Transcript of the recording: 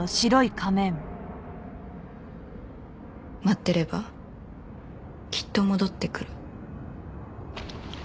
待ってればきっと戻ってくる。